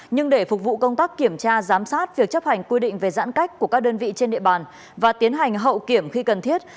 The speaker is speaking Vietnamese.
nhưng để phục vụ công tác kiểm tra giám sát việc chấp hành quy định về giãn cách của các đơn vị trên địa bàn và tiến hành hậu kiểm khi cần thiết